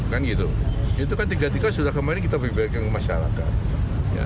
kan gitu itu kan tiga tiga sudah kemarin kita beriback ke masyarakat